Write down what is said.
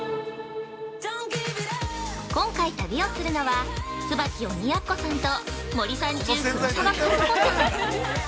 ◆今回旅をするのは、椿鬼奴さんと森三中・黒沢かずこさん！